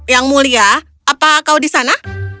yang mulia apa kau di sana